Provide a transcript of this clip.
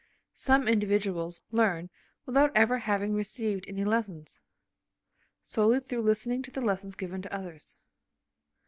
Some individuals learn without ever having received any lessons, solely through listening to the lessons given to others.